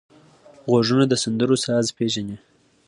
غوږونه د سندرو ساز پېژني